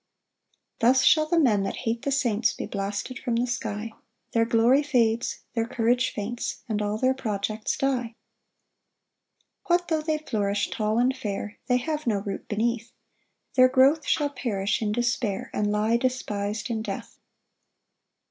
6 Thus shall the men that hate the saints Be blasted from the sky; Their glory fades, their courage faints, And all their projects die. 7 [What tho' they flourish tall and fair, They have no root beneath; Their growth shall perish in despair, And lie despis'd in death.